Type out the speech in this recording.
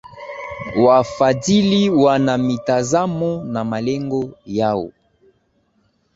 Wafadhili wana mitazamo na malengo yao